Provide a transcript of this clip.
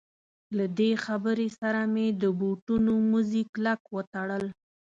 له دې خبرې سره مې د بوټونو مزي کلک وتړل.